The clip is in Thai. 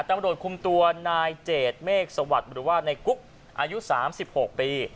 ตำรวจคุมตัวนายเจดเมฆสวัสดิ์หรือว่าในกุ๊กอายุ๓๖ปี